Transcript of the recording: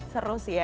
seru sih ya